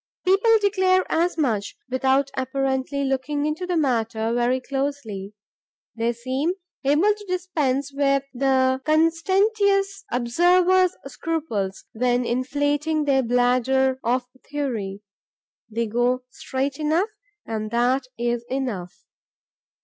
People declare as much, without, apparently, looking into the matter very closely. They seem able to dispense with the conscientious observer's scruples, when inflating their bladder of theory. They go straight ahead; and that is enough.